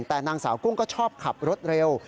แต่นางสาวกุ้งก็ชอบขับรถเร็ว